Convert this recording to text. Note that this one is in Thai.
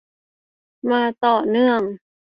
มาต่อเนื่อง